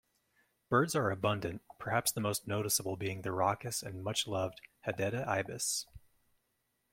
Birds are abundant, perhaps the most noticeable being the raucous and much-loved hadeda ibis.